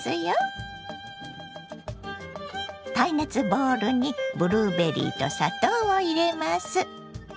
耐熱ボウルにブルーベリーと砂糖を入れます。